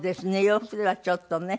洋服ではちょっとね。